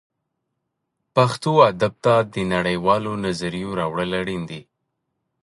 پښتو ادب ته د نړۍ والو نظریو راوړل اړین دي